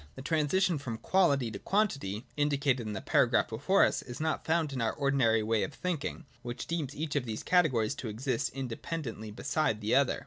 (2) The transition from Quality to Quantity, indicated in the paragraph before us, is not found in our ordinary way of thinking, which deems each of these categories to exist in dependently beside the other.